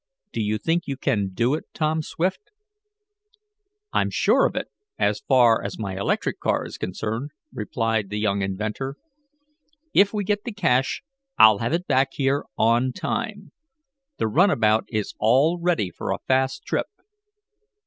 Do you think you can do it, Tom Swift?" "I'm sure of it, as far as my electric car is concerned," replied the young inventor. "If we get the cash I'll have it back here on time. The runabout is all ready for a fast trip."